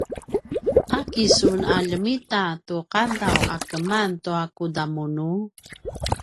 a kisun a ljemita tu qadaw a keman tua kudamunu?